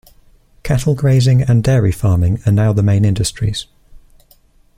Cattle grazing and dairy farming are now the main industries.